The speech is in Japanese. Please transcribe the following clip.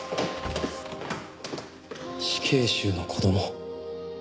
死刑囚の子供。